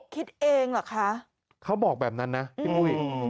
คิดเองหรอคะเขาบอกแบบนั้นนะอืม